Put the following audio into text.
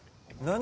何？